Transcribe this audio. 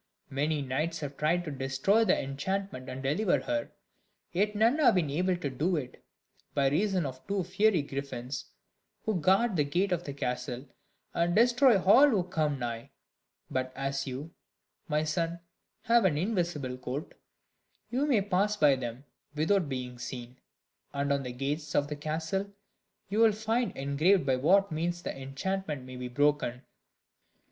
Many knights have tried to destroy the enchantment and deliver her, yet none have been able to do it, by reason of two fiery griffins, who guard the gate of the castle, and destroy all who come nigh; but as you, my son, have an invisible coat, you may pass by them without being seen; and on the gates of the castle you will find engraved by what means the enchantment may be broken."